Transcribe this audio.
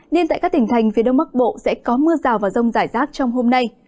nên tại các tỉnh thành phía đông bắc bộ sẽ có mưa rào và rông rải rác trong hôm nay